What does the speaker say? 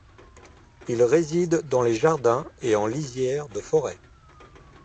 Il réside dans les jardins et en lisière de forêt.